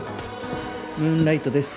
ムーン・ライトです